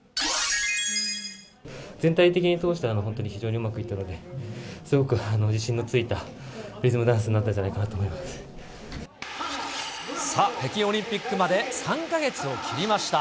全体的に通して本当に非常にうまくいったので、すごく自信のついたリズムダンスになったんじゃないかなと思いまさあ、北京オリンピックまで３か月を切りました。